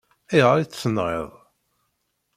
Ayɣer i t-tenɣiḍ?